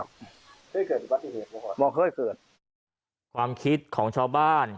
ความคิดของชาวบ้าน